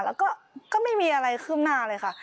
แล้วก็ก็ไม่มีอะไรขึ้นหน้าเลยค่ะ